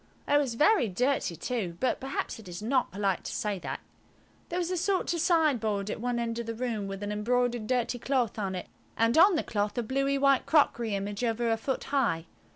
It was very dirty too, but perhaps it is not polite to say that. There was a sort of sideboard at one end of the room, with an embroidered dirty cloth on it, and on the cloth a bluey white crockery image over a foot high.